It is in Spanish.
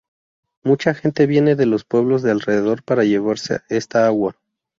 Mucha gente viene de los pueblos de alrededor para llevarse esta agua.